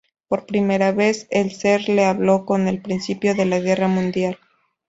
Por primera vez "el ser" le habló con el principio de la guerra mundial.